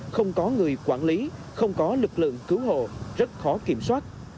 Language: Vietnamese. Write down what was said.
không có người quản lý không có lực lượng cứu hộ rất khó kiểm soát